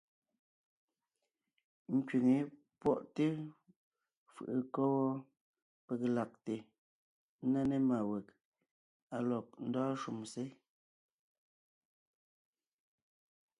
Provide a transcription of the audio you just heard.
Nkẅíŋ wé pwɔ́ʼte fʉʼʉ kɔ́ wɔ́ peg lagte ńná ne má weg á lɔg ndɔ́ɔn shúm sé.